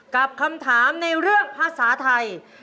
กับคำถามในเรื่องภาษาไทย